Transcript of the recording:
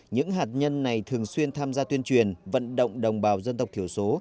những hạt nhân này thường xuyên tham gia tuyên truyền vận động đồng bào dân tộc thiểu số